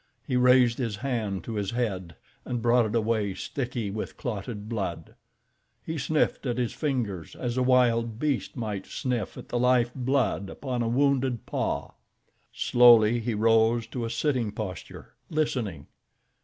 He raised his hand to his head and brought it away sticky with clotted blood. He sniffed at his fingers, as a wild beast might sniff at the life blood upon a wounded paw. Slowly he rose to a sitting posture—listening.